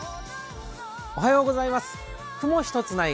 雲一つない